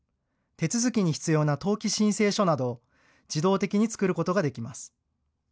手続きに必要な登記申請書などを自動的に作ることができます。